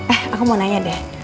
eh aku mau nanya deh